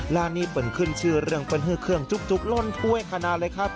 ร้านนี้เปิดขึ้นชื่อเรื่องเปิ้ลเครื่องจุ๊กล่นถ้วยขนาดเลยครับ